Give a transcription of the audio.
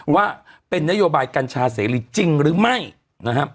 ว่าเป็นนโยบายกัญชาเสรีจริงหรือไม่นะครับ